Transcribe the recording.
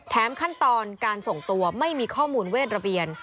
ขั้นตอนการส่งตัวไม่มีข้อมูลเวทระเบียน